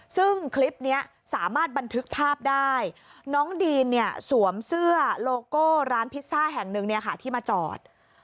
ซึ่งคลิปนี้สามารถบันทึกภาพได้น้องดีนเนี่ยสวมเสื้อโลโก้ร้านพิซซ่าแห่งหนึ่งเนี่ยค่ะที่มาจอด